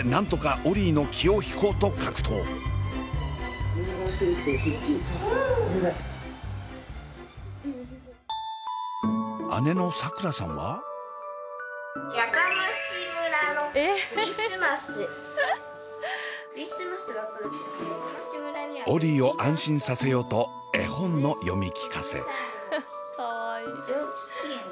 オリィを安心させようと絵本の読み聞かせ。